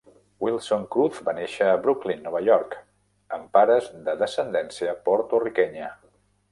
Wilson Cruz va néixer a Brooklyn, Nova York amb pares de descendència portorriquenya.